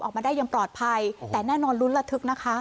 ออกมาได้อย่างปลอดภัยแต่แน่นอนลุ้นระทึกนะคะ